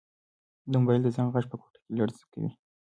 د موبایل د زنګ غږ په کوټه کې لړزه کړه.